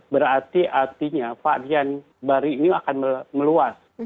berarti artinya varian baru ini akan meluas